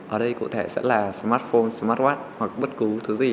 ở đây có thể sẽ là smartphone smartwatch hoặc bất cứ thứ gì